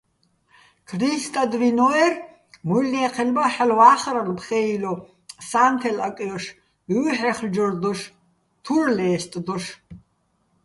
ქრისტადვინო́ერ, მუჲლნე́ჴელბა ჰ̦ალო̆ ვა́ხრალო̆ ფხე́ილო, სა́ნთელ აკჲოშ, ჲუჰ̦ეხჯორ დოშ, თურ ლე́სტდოშ.